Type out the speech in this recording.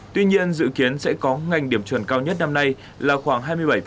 tuy nhiên dự kiến sẽ có ngành điểm chuẩn cao nhất năm nay là khoảng hai mươi bảy